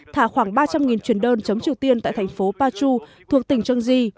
thả khoảng ba trăm linh truyền đơn chống triều tiên tại thành phố pachu thuộc tỉnh trương di